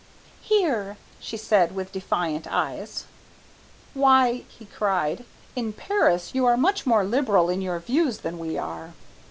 "Here," she said with defiant eyes. "Why," he cried, "in Paris you are much more liberal in your views than we are."